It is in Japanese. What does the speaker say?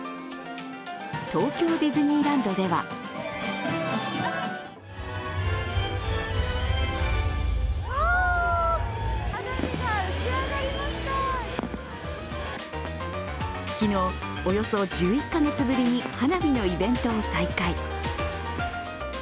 東京ディズニーランドでは昨日、およそ１１カ月ぶりに花火のイベントを再開。